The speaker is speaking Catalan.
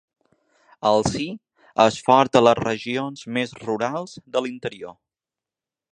El Sí és fort a les regions més rurals de l’interior.